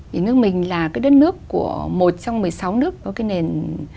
vì nước mình là cái đất nước của một trong một mươi sáu nước có cái nền